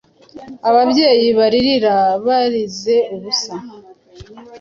Ababyeyi barira barize ubusa.